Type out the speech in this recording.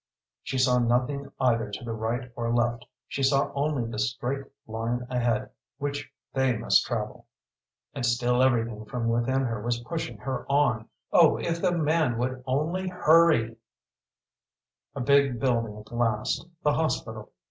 She saw nothing either to the right or left. She saw only the straight line ahead which they must travel. And still everything from within her was pushing her on oh if the man would only hurry! A big building at last the hospital.